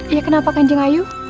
ya kenapa kan jengayu